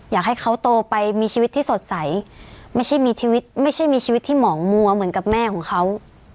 อยากให้เขาโตไปมีชีวิตที่สดใสไม่ใช่มีชีวิตไม่ใช่มีชีวิตที่หมองมัวเหมือนกับแม่ของเขา